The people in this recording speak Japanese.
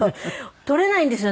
取れないんですよ